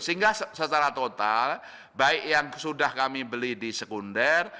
sehingga secara total baik yang sudah kami beli di sekunder